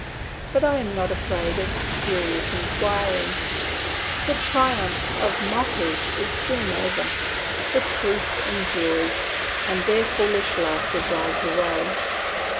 But I am not afraid of serious inquiry. The triumph of mockers is soon over; truth endures, and their foolish laughter dies away.